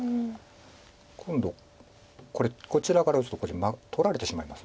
今度こちらから打つとこれ取られてしまいます。